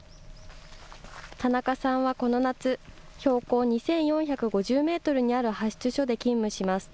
田中さんはこの夏、標高２４５０メートルにある派出所で勤務します。